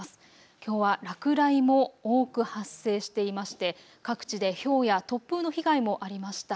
きょうは落雷も多く発生していまして各地でひょうや突風の被害もありました。